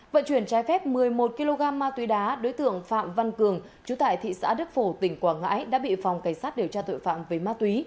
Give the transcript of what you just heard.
vận chuyển trái phép một mươi một kg ma túy đá đối tượng phạm văn cường chú tại thị xã đức phổ tỉnh quảng ngãi đã bị phòng cảnh sát điều tra tội phạm về ma túy